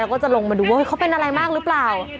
แล้วก็จะลงมาดูว่าเขาเป็นอะไรมากหรือเปล่า